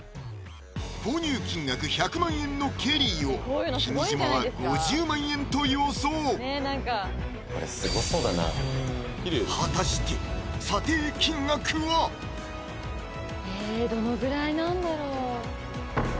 購入金額１００万円のケリーを君島は５０万円と予想果たしてえどのぐらいなんだろう？